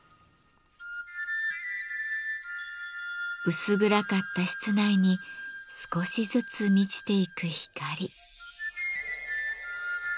薄暗かった室内に少しずつ満ちていく光。